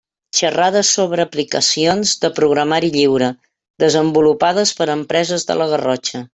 Xerrades sobre aplicacions de programari lliure desenvolupades per empreses de la Garrotxa.